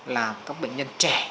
là các bệnh nhân trẻ